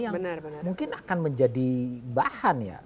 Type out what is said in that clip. yang mungkin akan menjadi bahan ya